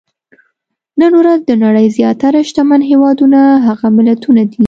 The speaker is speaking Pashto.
نن ورځ د نړۍ زیاتره شتمن هېوادونه هغه ملتونه دي.